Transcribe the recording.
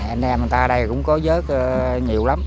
anh em người ta ở đây cũng có dớt nhiều lắm